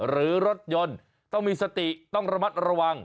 หรือรถยนต์ต้องมีสติต้องระมัดระวัง